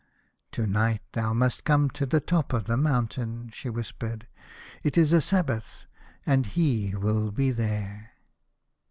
" To night thou must come to the top of the mountain," she whispered. " It is a Sabbath, and He will be there."